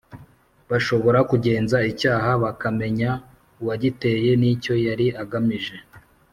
Bashobora kugenza icyaha bakamenya uwagiteye nicyo yari agamije